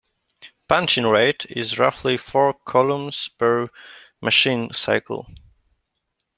Punching rate is roughly four columns per machine cycle.